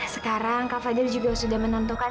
sekarang kak fajar juga sudah menentukan